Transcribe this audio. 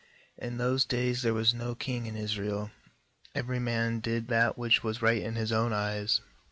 6In those days there was no king in Israel; every man did that which was right in his own eyes.